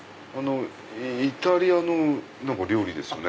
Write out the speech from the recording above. イタリアの料理ですよね。